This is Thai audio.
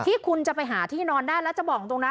ที่คุณจะไปหาที่นอนได้แล้วจะบอกตรงนะ